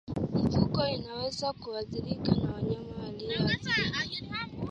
Mifugo inaweza kuathiriwa na mnyama aliyeathirika